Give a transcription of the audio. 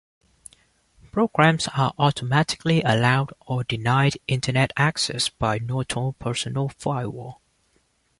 Programs are automatically allowed or denied Internet access by Norton Personal Firewall.